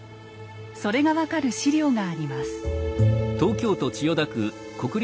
それが分かる史料があります。